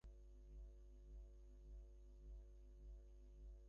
বিপিনবাবু, আপনাদের বড়ো সৌভাগ্য!